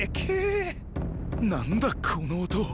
何だこの音。